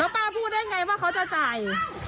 ป้าพูดได้ไงว่าเขาจะจ่าย